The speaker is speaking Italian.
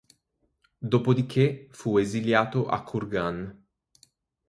Dopo di che, fu esiliato a Kurgan.